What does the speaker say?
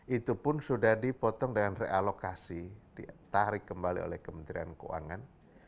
itu pun sudah dipotong dengan realokasi ditarik kembali oleh kementerian keuangan